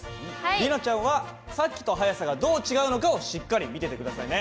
里奈ちゃんはさっきと速さがどう違うのかをしっかり見てて下さいね。